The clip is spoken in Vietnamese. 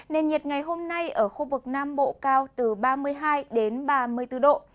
nền nhiệt ngày hôm nay ở khu vực nam bộ cao từ ba mươi hai ba mươi bốn độ